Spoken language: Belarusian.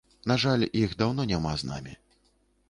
На жаль, іх даўно няма з намі.